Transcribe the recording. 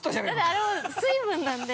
◆あれは水分なんで。